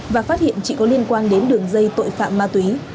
và phát hiện chị có liên quan đến đường dây tội phạm ma túy